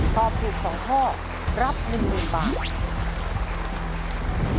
ตอบถูก๒ข้อรับ๑๐๐๐บาท